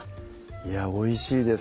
いやおいしいです